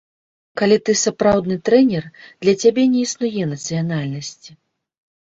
Калі ты сапраўдны трэнер, для цябе не існуе нацыянальнасці.